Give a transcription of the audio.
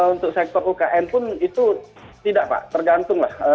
untuk sektor ukm pun itu tidak pak tergantung lah